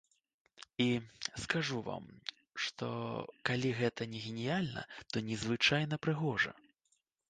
І, скажу вам, што, калі гэта не геніяльна, то незвычайна прыгожа!